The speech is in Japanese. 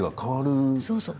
そうそう。